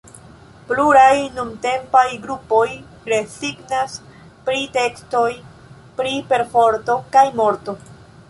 Pluraj nuntempaj grupoj rezignas pri tekstoj pri perforto kaj morto.